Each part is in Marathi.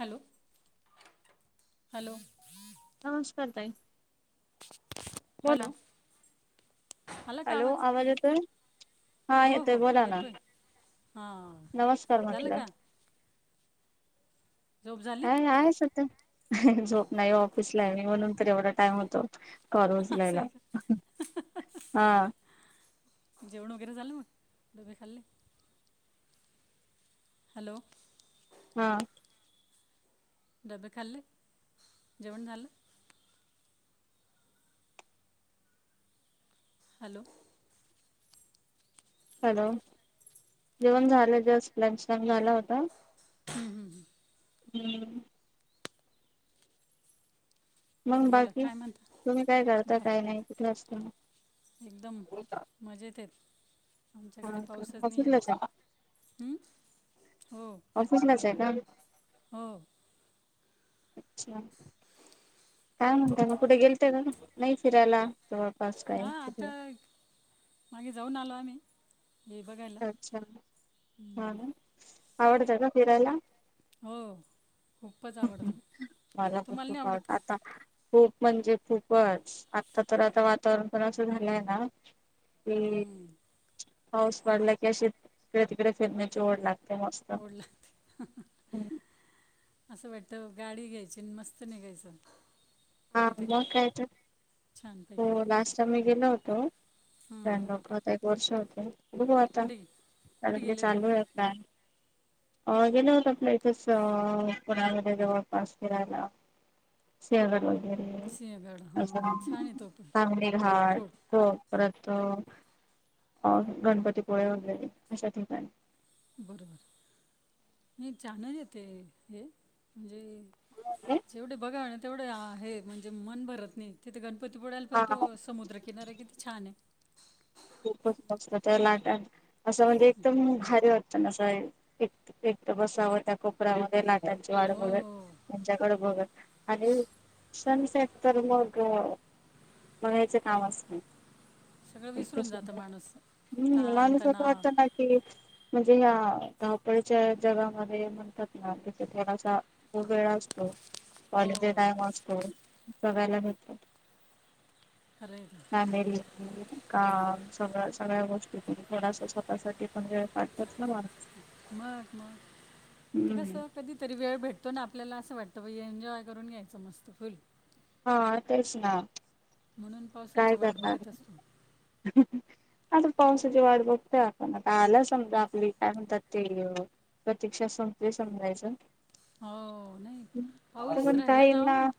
Hello, hello. नमस्कार ताई, बोला. हॅलो आला का हॅलो, आवाज येतोय? हा, हो येतोय. हो बोला ना. येतोय हां नमस्कार झालं म्हटलं. का झोप झाली [unintelligible] झोप नाही ऑफिसला आहे मी. म्हणून तर एवढा टाइम होतो कॉल असं उचलायला. आहे का हा. जेवण वगैरे झाल? डब्बे खाल्ले? हॅलो. हा. डबे खाल्ले? जेवण झालं? हॅलो. हॅलो जेवण झालं. जस्ट लंच लंग झाला होता. [unintelligible] हम. मग बोला बाकी काय म्हणता तुम्ही काय करता, काय बाकी नाही, कुठलं असतं? एकदम मजेत येत. आमच्याकडे हा आज का पाऊसच नाही ये. ऑफिसलाच आमच्या आहे कडे ऑफिसलाच आहे का? हो अच्छा, काय म्हणता? नाही, कुठे गेलात का फिरायला? हां आता [unintelligible] मागे जाऊन आलो आम्ही हे बघायला अच्छा, हा. आवडतं का फिरायला? हो. खूपच आवडतो मला पण तुम्हाला नाही खूप आवडत आवडतं का आता. खूप म्हणजे खूपच. आता तर वातावरण पण असं झालंय ना. हा. हाऊस वाढला की अशी तिकडे-तिकडे फिरण्याची ओढ लागते. तेमस्त ओढ लागते ह. असं वाटतं, गाडी घ्यायची आणि मस्त निघायचं. हा, कुठेतरी मग काय तर छानपैकी हो... लास्ट टाइम मी गेलो होतो. हं, हं. लक आता एक वर्ष होते बघ आता कुठे गे- कुठे गेले ते चालू आहे प्लॅन अ गेल होत आपल्या इथेच पुण्यामध्ये जवळपास फिरायला सेग सिंहगड हां छान आहे तो पण चांगली घाट फोड कोपत [inaudible] तर गणपतीपुळे वगैरे अशा ठिकाणी बरोबर नाही चाणच येते हे म्हणजे [unintelligible] जेवढे बघा ना तेवढे आहे म्हणजे मन भरत नाही तिथे गण पती बुडाला पण तो हा समुद्रकिनार आहे किती छान आहे खूपच मस्त तर लाटा असं म्हणजे एकदम भारी वात त्यां एकट बसा होता कपडा व गला त्यांची वाट हो बघत त्यांच्याकडे बघत आणि सनसेट तर मग बघायचं काम असण सगळं विसरून जातं माणूस हम्म मा ताण स्वत तणाव वातानाकी [inaudible] जे हा धावपळच्या जगामध्ये म्हणतात ना क तिथेलासा ख वेळा असतो हो कॉलेजेत आहे हॉस्टेल सगळयला भेटात खरं आहे ते. हा बरी हा सगळ सगळ्या गोष्टी थोडसा स्वतःसाठी पण जे काटत मग मग कस हम्म कधीतरी वेळ भेट तो ना आपल्याला असं वाटतं एन्जॉय करून घ्यायचं मस्त फुल हा ते चणा म्हणून पावसाची वाट बघत असतो आता पावसाची वाट बघतोय आपण आता आला समजा आपली काय म्हणतात ते प्रतीक्षा संपली समजायचं हो नाही तर पाऊस पण राहिला काही ना मग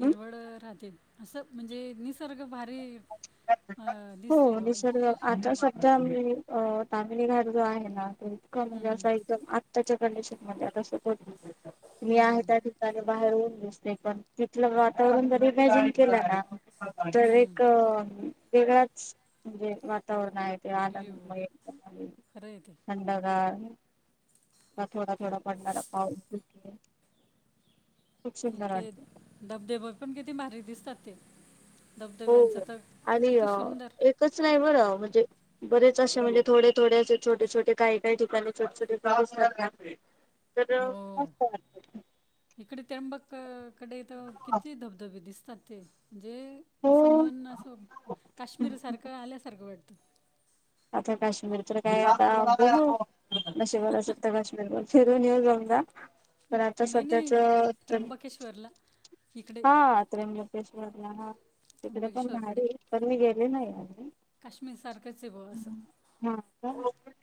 हम्म राहते असं म्हणजे न सारखं भारी अ दिसतो हो ब निसर्ग आता सध्या मी अ तामिनी घाट जो आहे ना तो इतका म्हणजे हम्म असा एकदम आत्ताच्या कंडिशन मध्ये आता सोपजली मी आहे हम्म, त्या ठिकाणी बाहेर ऊन दिसते पण तिथलं वातावरण जर इमॅजिन केलं ना हम्म वेगळच म्हणजे वातावरण ते अयो आनंदमय खरं आहे ते थंडगार तर थोडा थोडा पडणारा पाऊस की आणि ते धबधबे पण किती भारी दिसतात ते हो धबधब्यांचं तर आणि अ किती सुंदर एकच नाही बरं म्हणजे बरेच असे म्हणजे थोडे थोडे असे छोटे छोटे काही काही ठिकाणी छोटे छोटे तर त्र्यंबक कडे तर किती धबधबे दिसतात ते म्हणजे असं हो मन असं काश्मीर सारखं आल्या सारखं वाटतं आता काश्मीर तर काय आता नशीब अस तर काश्मीर बोल [inaudible] नाही नाही त्र्यंबकेश्वरला इकडे हा त्र्यंबकेश्वर ला ह तिकडे पण नाही पण मी गेले नाही आ कश्मीर सर्कलचे बस हा का?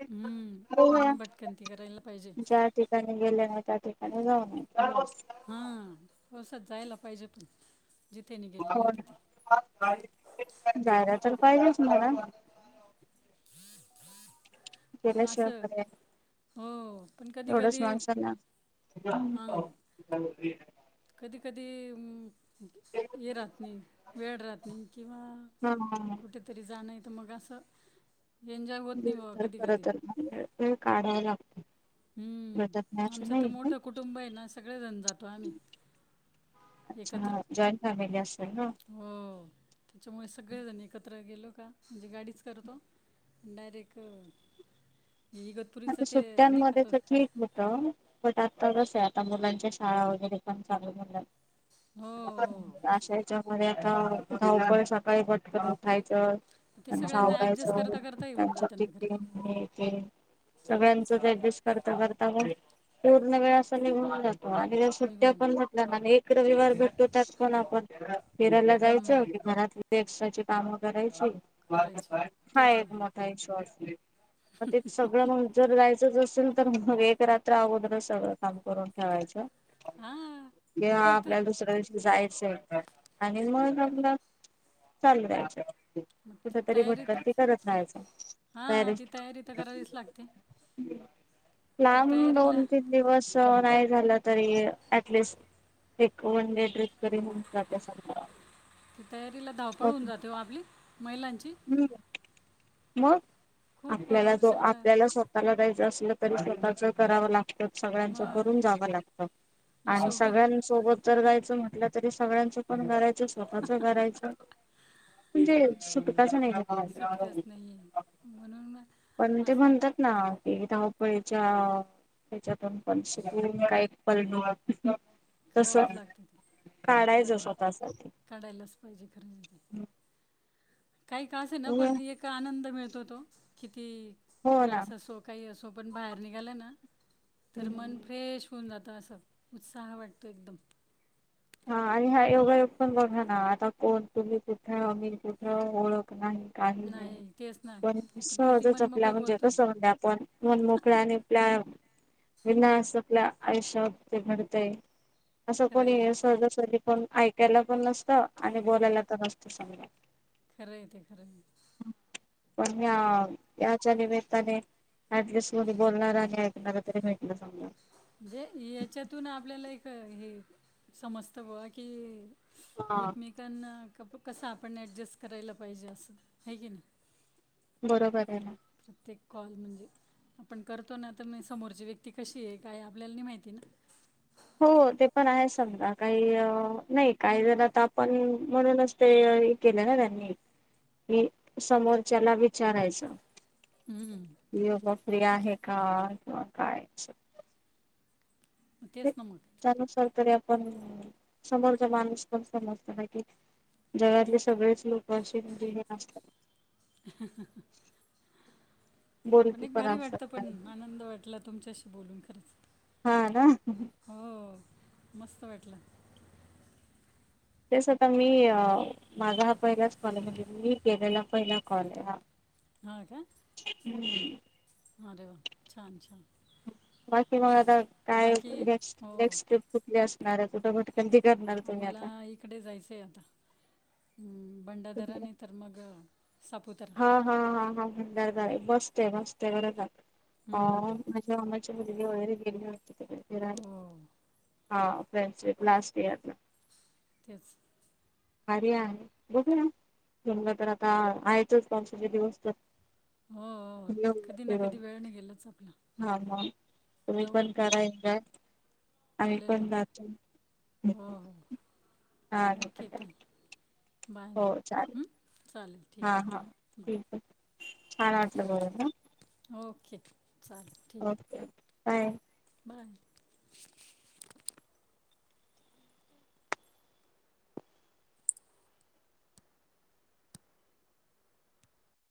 हम्म हो म्हणून भटकंती करायला पाहिजे ज्या ठिकाणी गेले नाही त्या ठिकाणी जाऊन हा पाव सात जायला पाहिजे पण जिथे निघालेले हो तिथे जायला तर पाहिजे हम जला पण शवा असं कडे हो पण कधी एवढच कधी माणसा ना हां कधी कधीम ये राहात नाही वेळ राहात नाही किंवा कुठेतरी जाण तमुग गस वळ तर खरं तरळ काढाय लागत हम्म आमचं तर नाही मोठं कुटुंब आहे ना सगळेजण जातो आम्ही एकत्र अच्छा जॉईंट फॅमिली असेल ना हो त्याच्यामुळे सगळेजण एकत्र गेलो म्हणजे गाडीच करतो डायरेक् इग पुरीस आता ते न सुट्ट्यांमध्ये ठीक होत पट आता कस आहे आता मुलांच्या शाळा वगैरे पणगू हो हो आशाच्या मध्ये आता गावकळ सकाळी भटकन उठायचं ते त्यांच सगळ्यांना ॲडजस्ट आवडायचं करता करता येऊन त्यांच जातं ना टिके खरंच येथे सगळ्यांचच डजस् करता करता पण पूर्ण वेळ असं निघून जात आणि त्या सुट्ट्या निघून पण घटल्या ना एक रविवार भेटतो त्यात पण आपण फिरायला जायचं हम्म, की मनातिे एक्स्ट्राची कामं करायची करायची हा तेच एक ना मोठा इश मग ते सगळं मण यच असेल तर मग एक रात्र अगोदर सगळं काम करून ठेवायचं हा क मग हा ते तर आपल्याला दुसऱ्या त- दिवशी जायचं आहे आणि मग चाल मग ती तयारी हा ती तयारी तर करावीच लागते तर लांब तयारीला दोन तीन दिवस नाही झालं तरी ऍटलिस्ट एक वन डे टड्रिप कररीऊ जाते सा ती तयारीला धावपळ होऊन जाते आपली महिलांची हम्म मग खूप आपल्याला अ, जो सगळं आपल्याला स्वतःला जाय अस तरी स्वतःच कराव लागत सगळ्यांचं मग भरून जावं लागत म्हणजे आणि शेवटी सगळ्यांसोबत उत्तर गायचं म्हटलं तरी सगळ्यांचं पण करायचं स्वतःच करायचं म्हणजे सु कस सुटकाच नाही नाही आहे म्हणून पण मग ते असं म्हणतात नाथ च्या त्याच्यातून पण शिक का एक पल करावच लागत ते बर काढायचं स्वतःसाठी काढायलाच पाहिजे खरंच ते काही का अस आहे ना होय. पण एक आनंद मिळतो तो किती हो ना. त्रास असो काही असो आपण बाहेर निघालं ना तर मन फ्रेश होऊन जात आता असं उत्साह वाटतो एकदम हा आणि हा योगायोग पण बघा ना आता कोण तुम्ही कुठे मी कुठे ओळख नाही नाही ते पण सहजच आपला म्हणजे तस हो आपण मन मोकळा आणि आपल्या विना अस आपल्या आयुष्यावरती घडतय असं खरं आहे कोणी ते अस करी पण ऐकायला पण नसत आणि बोलायला तर नसत समजा खरं आहे ते खरं आहे पण या त्याचाली टलिस्ट बोलणार आणि ऐकणार तरी भेटलं सांगा. म्हणजे याच्यातून आपल्याला एक हे समजत [unintelligible] की हा. एकमेकांना क कसं आपण ॲडजस्ट करायला पाहिजे असं आहे की नाही. बरोबर आहे ना प्रत्येक कॉल म्हणजे आपण करतो ना आता मी समोरची व्यक्ती कशी आहे काय आपल्याला नाही माहिती ना हो ते पण आहे समजा काही नाही काही जर आता आपण म्हणूनच ते केलं ना त्यांनी की समोरच्याला विचारायचं. हम्म. योगा फ्री आहे का किवा काय मग तेच न मक त्यानुसार तरी आपण समोरचा माणूस पण समजतो. जगातले सगळेच लोक असे जी हे असतात. [inaudible] पण बोलकी एक भारी असतात वाटत पण काही. आनंद वाटला तुमच्याशी बोलून खरंच हो ना हो मस्त वाटलं. तेच आता मी माझा हा पहिलाच कॉल म्हणजे मी केलेला पहिला कॉल आहे हा हा का ह [inaudible] अरे वा छान छान! बाकी मग आता काय बाकी क हो नेक्स्ट ट्रिप कुठली असणार आहे कुठे कुठे आम्हाला इकडे जायचंय आता, भंडारदरा नाही तर मग सापुतारा हा हा हा हा भडार जा बसते बसते बरचात हम्म, माझ्या [unintelligible] [unintelligible] उयर केली वाटक हो [unintelligible] हा फ्रेंडशिप लास्ट इयरला तेच आर्या बघू ना जमलं तर आता आहेतच पावसाचे दिवस तर हो हो कधी ना हो कधी वेळ नाही गेलंच आपला हा हा तुम्ही जाऊ पण आपण करा का अ चालेल पण ना ज हो हाण [unintelligible] [unintelligible] ब [unintelligible] हा हा ठीक आहे छान वाटलं बोलून हा बाय ओके. चालेल ठीक आहे ओके बाय बाय